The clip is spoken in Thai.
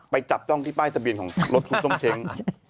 ไปจับจ้องที่ป้ายทะเบียนของรถครูส้มเช้ง